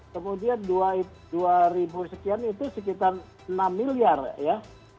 kemudian dua ribu sekian itu sekitar enam miliar ya